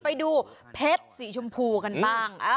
ไปดูเพชรสีชมพูกันบ้าง